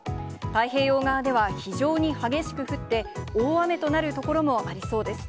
太平洋側では非常に激しく降って、大雨となる所もありそうです。